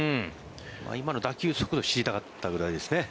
今の打球速度知りたかったくらいですね。